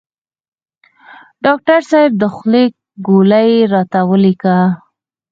ډاکټر صیب د خوب ګولۍ راته ولیکه